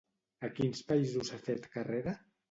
A quins països ha fet carrera?